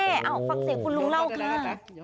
เอาฟังเสียงคุณลุงเล่าค่ะ